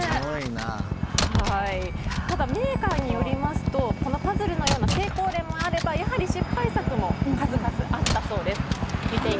ただメーカーによりますとこのパズルのような成功例もあればやはり失敗作も数々あったそうです。